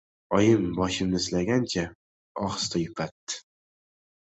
Oyim boshimni silagancha, ohista yupatdi: